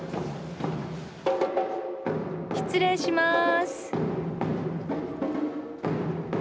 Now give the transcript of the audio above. ・・失礼します。